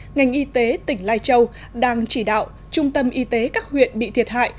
ngành y tế tỉnh lai châu đang chỉ đạo trung tâm y tế các huyện bị thiệt hại